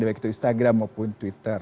baik itu instagram maupun twitter